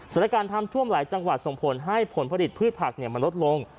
สถานการณ์น้ำท่วมหลายจังหวัดส่งผลให้ผลผลิตพืชผักมันลดลง